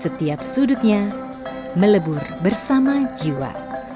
setiap sudutnya melebur bersama jiwa